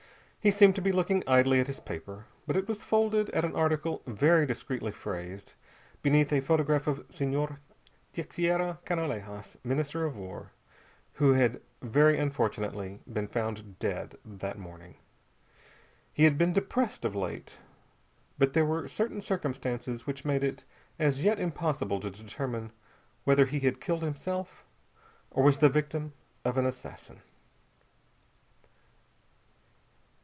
He seemed to be looking idly at his paper, but it was folded at an article very discreetly phrased, beneath a photograph of Senhor Teixeira Canalejas, Minister of War, who had very unfortunately been found dead that morning. He had been depressed, of late, but there were certain circumstances which made it as yet impossible to determine whether he had killed himself or was the victim of an assassin.